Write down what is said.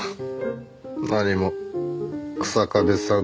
何も日下部さん